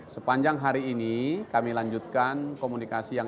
sepanjang hari ini kami lanjutkan komunikasi yang